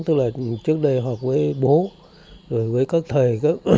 tức là trước đây học với bố rồi với các thầy